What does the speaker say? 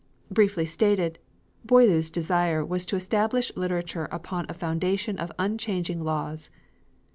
Briefly stated, Boileau's desire was to establish literature upon a foundation of unchanging laws.